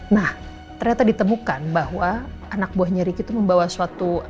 nah ternyata ditemukan bahwa anak buahnya ricky itu membawa suatu